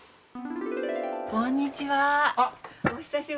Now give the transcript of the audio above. こんにちは。